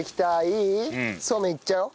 そうめんいっちゃおう。